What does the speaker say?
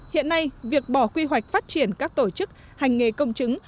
hiện nay việc bỏ quy hoạch phát triển các tổ chức hành nghề công chứng